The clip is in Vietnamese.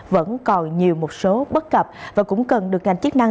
vẫn còn nhiều một số bất cập và cũng cần được ngành chức năng